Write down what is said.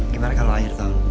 gimana kalo akhir tahun